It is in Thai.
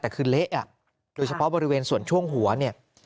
แต่คือเละโดยเฉพาะบริเวณส่วนช่วงหัวเนี่ย